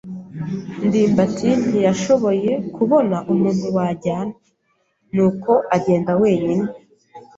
ndimbati ntiyashoboye kubona umuntu wajyana, nuko agenda wenyine.